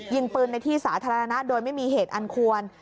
ยิงปืนในที่สาธารณะโดยไม่มีเหตุอันควร